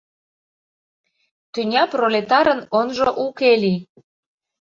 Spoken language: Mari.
Тӱня пролетарын онжо уке лий